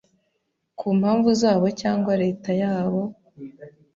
ku mpamvu zabo cyangwa Leta yabo,